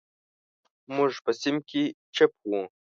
موږ په صنف کې چپ وو.